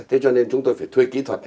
thế cho nên chúng tôi phải thuê kỹ thuật